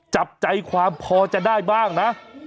จับใจความพอจะได้บ้างนะ